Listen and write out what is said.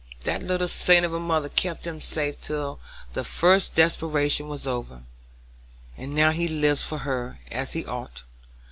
That little saint of a mother kept him safe till the first desperation was over, and now he lives for her, as he ought.